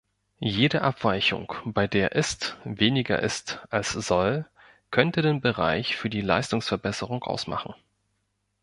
Jede Abweichung, bei der Ist weniger ist als Soll, könnte den Bereich für die Leistungsverbesserung ausmachen.